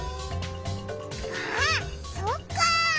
あっそっか！